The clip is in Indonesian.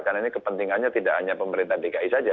karena ini kepentingannya tidak hanya pemerintah dki saja